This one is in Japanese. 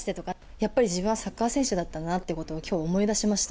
やっぱり自分はサッカー選手だったんだなっていうことを、きょう思い出しました。